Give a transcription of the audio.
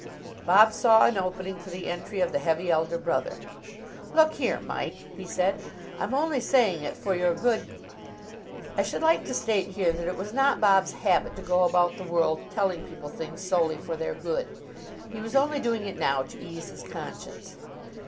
Bob saw an opening for the entry of the Heavy Elder Brother. "Look here, Mike," he said, "I'm only saying it for your good " I should like to state here that it was not Bob's habit to go about the world telling people things solely for their good. He was only doing it now to ease his conscience.